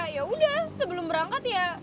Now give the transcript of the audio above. yaudah sebelum berangkat ya